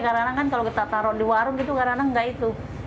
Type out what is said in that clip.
karena kan kalau kita taruh di warung gitu karena enggak itu